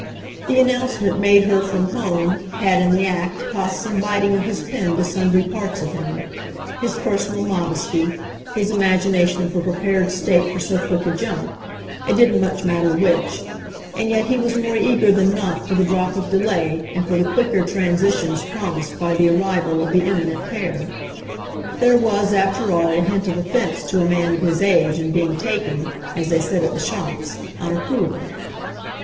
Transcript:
The announcement made her from home had, in the act, cost some biting of his pen to sundry parts of him his personal modesty, his imagination of her prepared state for so quick a jump, it didn't much matter which and yet he was more eager than not for the drop of delay and for the quicker transitions promised by the arrival of the imminent pair. There was after all a hint of offence to a man of his age in being taken, as they said at the shops, on approval.